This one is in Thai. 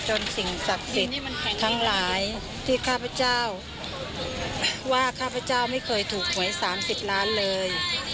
สิ่งศักดิ์สิทธิ์ทั้งหลายที่ข้าพเจ้าว่าข้าพเจ้าไม่เคยถูกหวย๓๐ล้านเลย